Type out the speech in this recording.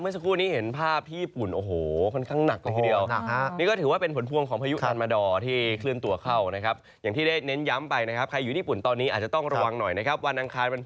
สวัสดีคุณทั้งสองท่าน